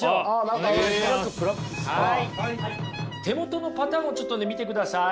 手元のパターンをちょっと見てください。